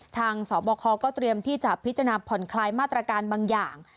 สบคก็เตรียมที่จะพิจารณาผ่อนคลายมาตรการบางอย่าง